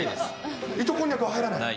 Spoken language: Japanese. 糸こんにゃくは入らない？